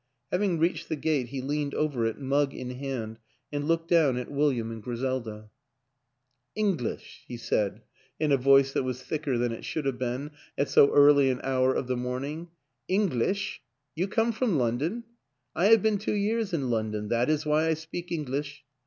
Having reached the gate he leaned over it, mug in hand, and looked down at William and Griselda. 86 WILLIAM AN ENGLISHMAN " English," he said in a voice that was thicker than it should have been at so early an hour of the morning; "English you come from Lon don? ... I have been two years in London; that is why I speak English.